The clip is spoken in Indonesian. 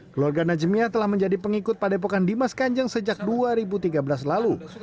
keluarga najemiah telah menjadi pengikut padepokan dimas kanjeng sejak dua ribu tiga belas lalu